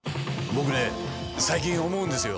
僕ね最近思うんですよ。